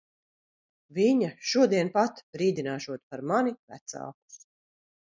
Viņa šodien pat brīdināšot par mani vecākus.